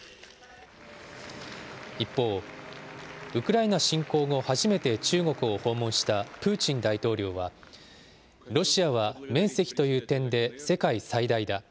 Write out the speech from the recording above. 一方、ウクライナ侵攻後、初めて中国を訪問したプーチン大統領は、ロシアは面積という点で世界最大だ。